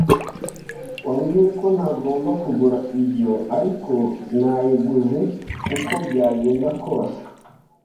Wambwiye ko ntagomba kugura ibyo, ariko nayiguze uko byagenda kose.